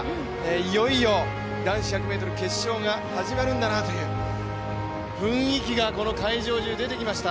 いよいよ男子１００ｍ決勝が始まるんだなという雰囲気がこの会場中、出てきました。